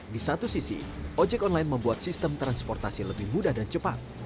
di satu sisi ojek online membuat sistem transportasi lebih mudah dan cepat